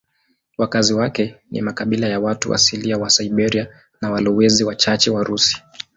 Wakazi wake ni makabila ya watu asilia wa Siberia na walowezi wachache Warusi.